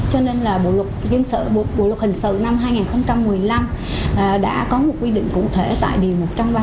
cho nên là bộ luật hình sự năm hai nghìn một mươi năm đã có một quy định cụ thể tại điều một trăm ba mươi một